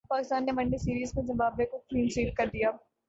پاکستان نے one day series میں Zimbabwe کو کلین سوئپ کردیا